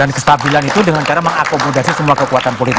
dan kestabilan itu dengan cara mengakomodasi semua kekuatan politik